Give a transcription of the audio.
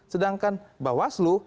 sedangkan mbak waslu